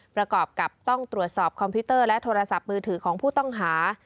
ประกอบกับต้องตรวจสอบคอมพิวเตอร์และโทรศัพท์มือถือของผู้ต้องหา